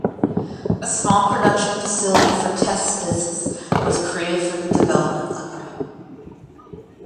A small production facility for test discs was created for the development lab.